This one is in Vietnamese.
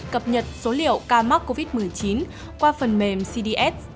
cập nhật số liệu ca mắc covid một mươi chín qua phần mềm cds